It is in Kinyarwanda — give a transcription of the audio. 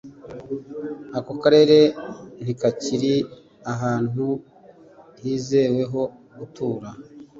Ako karere ntikakiri ahantu hizewe ho gutura